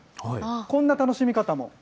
こんな楽しみ方も。